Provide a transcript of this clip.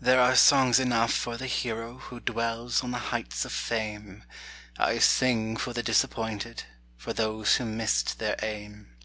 There are songs enough for the hero Who dwells on the heights of fame; I sing for the disappointed For those who missed their aim.